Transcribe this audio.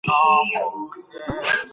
که نجونې ازادې وي نو زندان به نه وي.